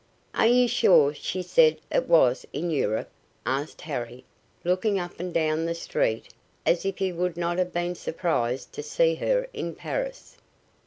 "Are you sure she said it was in Europe?" asked Harry, looking up and down the street as if he would not have been surprised to see her in Paris.